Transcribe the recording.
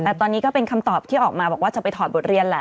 แต่ตอนนี้ก็เป็นคำตอบที่ออกมาบอกว่าจะไปถอดบทเรียนแหละ